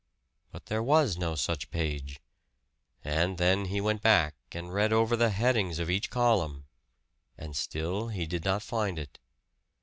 But there was no such page. And then he went back and read over the headings of each column and still he did not find it.